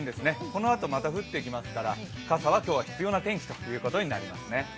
このあと、また降ってきますから傘は今日必要な天気となりますね。